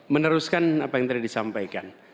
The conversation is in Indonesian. meneruskan apa yang tadi disampaikan